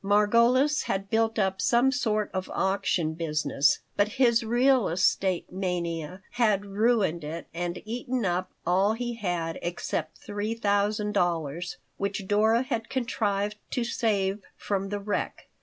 Margolis had built up some sort of auction business, but his real estate mania had ruined it and eaten up all he had except three thousand dollars, which Dora had contrived to save from the wreck.